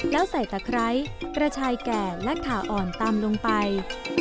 แล้วใส่ตะไคร้กระชายแก่และขาอ่อนตามลงไป